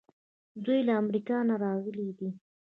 دوی له امریکا نه راغلي دي.